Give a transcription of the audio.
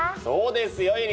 そうですよ